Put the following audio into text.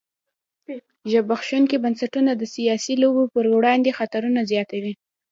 زبېښونکي بنسټونه د سیاسي لوبې پر وړاندې خطرونه زیاتوي.